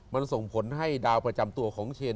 มันส่งผลให้ดาวประจำตัวของเชน